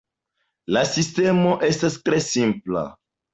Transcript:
La sistemo estas tre simpla.